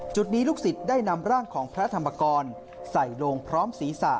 จุดนี้ลูกศิษย์ได้นำร่างของพระอมและอาเจียนออกมาหลังเดินลงไปสำรวจจุดที่เผาศพพระธรรมกร